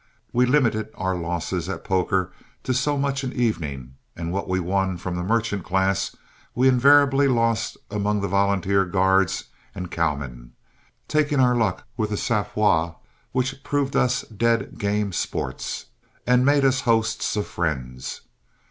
We limited our losses at poker to so much an evening, and what we won from the merchant class we invariably lost among the volunteer guards and cowmen, taking our luck with a sangfroid which proved us dead game sports, and made us hosts of friends.